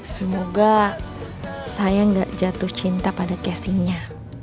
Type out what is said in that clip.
semoga saya tidak jatuh cinta pada cassie nya